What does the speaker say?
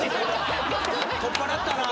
取っ払ったなぁ。